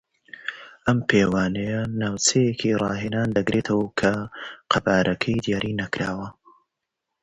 This measurement includes a training area of unspecified size.